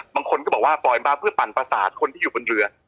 บางคนก็บอกว่าปล่อยมาเพื่อปั่นประสาทคนที่อยู่บนเรือ